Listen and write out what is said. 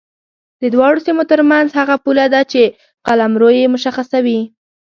د دواړو سیمو ترمنځ هغه پوله ده چې قلمرو یې مشخصوي.